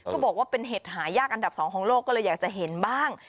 บอกว่าเป็นเห็ดหายากอันดับสองของโลกก็เลยอยากจะเห็นบ้าง